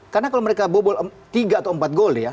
karena kalau mereka bobol tiga atau empat gol ya